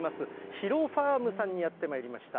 ヒロファームさんにやってまいりました。